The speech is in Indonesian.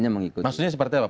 maksudnya seperti apa